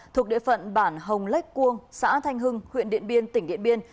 thuộc địa phận bản hồng lách cuông xã thanh hưng huyện điện biên tỉnh điện biên